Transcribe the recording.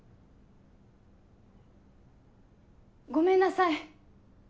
ごめんなさい。